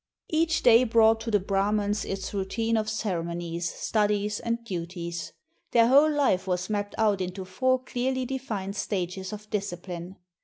Each day brought to the Brahmans its routine of ceremonies, studies, and duties. Their whole life was mapped out into four clearly defined stages of discipline.